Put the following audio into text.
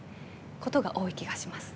ことが、多い気がします。